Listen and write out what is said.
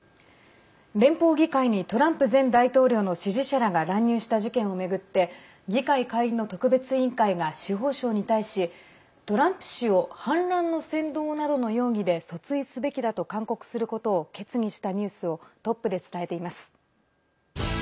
連邦議会にトランプ前大統領の支持者らが乱入した事件を巡って議会下院の特別委員会が司法省に対しトランプ氏を反乱の扇動などの容疑で訴追すべきだと勧告することを決議したニュースをトップで伝えています。